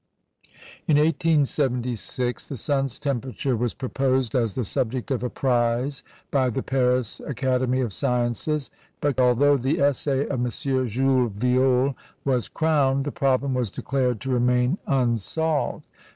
In 1876 the sun's temperature was proposed as the subject of a prize by the Paris Academy of Sciences; but although the essay of M. Jules Violle was crowned, the problem was declared to remain unsolved.